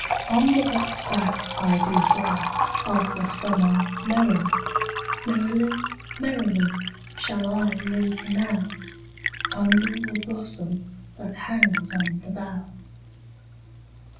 On the bat's back I do fly After summer merrily: 5 Merrily, merrily, shall I live now, Under the blossom that hangs on the bough.